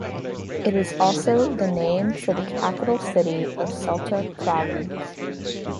It is also the name for the capital city of Salta Province.